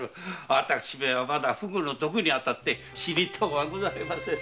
私めはまだフグの毒に当たって死にとうはございません。